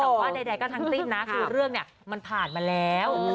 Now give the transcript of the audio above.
แต่ว่าใดก็ทั้งสิ้นนะคือเรื่องเนี่ยมันผ่านมาแล้ว